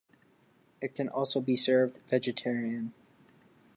It can also be served vegetarian.